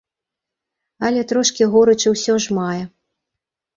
Але трошкі горычы ўсё ж мае.